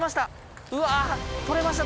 うわ取れました！